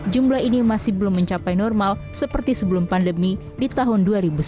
jumlah ini masih belum mencapai normal seperti sebelum pandemi di tahun dua ribu sembilan belas